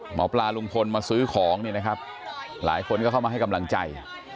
หมอปลาลุงพลมาซื้อของนี่นะครับหลายคนก็เข้ามาให้กำลังใจ